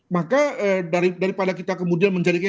maka daripada kita kemudian menjelaskan ini